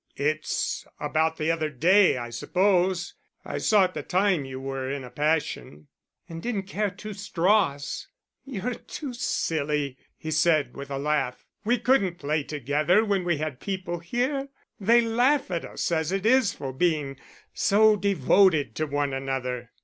"It's about the other day, I suppose. I saw at the time you were in a passion." "And didn't care two straws." "You're too silly," he said, with a laugh. "We couldn't play together when we had people here. They laugh at us as it is for being so devoted to one another."